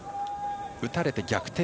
打たれて逆転